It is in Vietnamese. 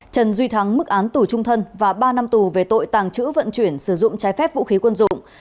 trần duy thắng mức án tù trung thân và ba năm tù về tội tàng trữ vận chuyển sử dụng trái phép vũ khí quân dụng